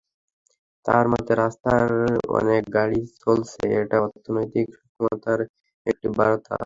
তাঁর মতে, রাস্তায় অনেক গাড়ি চলছে, এটা অর্থনৈতিক সক্ষমতারই একটি বার্তা।